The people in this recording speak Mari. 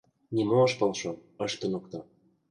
Нимо ыш полшо, ыш туныкто.